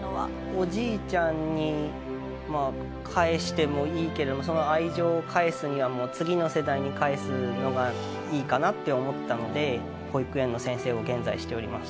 おじいちゃんにまあ返してもいいけれどその愛情を返すには次の世代に返すのがいいかなって思ったので保育園の先生を現在しております。